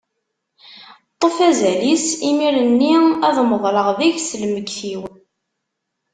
Ṭṭef azal-is, imir-nni ad meḍleɣ deg-s lmegget-iw.